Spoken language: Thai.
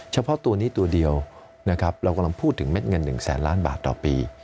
เฉพาะตัวนี้ตัวเดียวนะครับเรากำลังพูดถึงเม็ดเงิน๑แสนล้านบาทต่อปี